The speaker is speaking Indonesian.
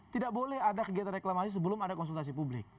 tidak boleh ada kegiatan reklamasi sebelum ada konsultasi publik